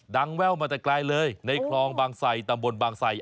แว่วมาแต่ไกลเลยในคลองบางไสตำบลบางใส่